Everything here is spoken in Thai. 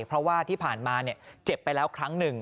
เพราะว่าที่ผ่านมาเจ็บไปแล้วครั้งหนึ่ง